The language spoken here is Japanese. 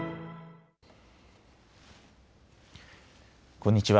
こんにちは。